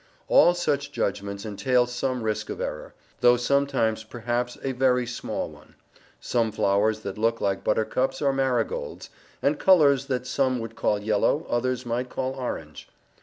All such judgments entail some risk of error, though sometimes perhaps a very small one; some flowers that look like buttercups are marigolds, and colours that some would call yellow others might call orange.